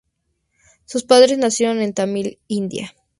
Sus padres nacieron en Tamil, India.